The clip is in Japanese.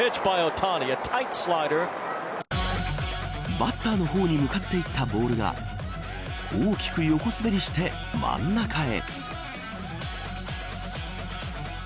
バッターの方に向かっていったボールが大きく横滑りして真ん中へ。